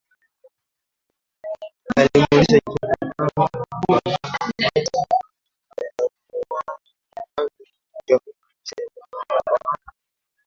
Alimuuliza Jacob kama anawafahamu watu waliomuua Magreth Jacob alisema hawafahamu